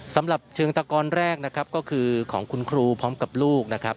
สำหรับเชิงตะกอนแรกนะครับก็คือของคุณครูพร้อมกับลูกนะครับ